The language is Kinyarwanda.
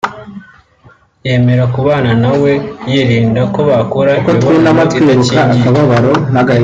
yemera kubana na we yirinda ko bakorana imibonano idakingiye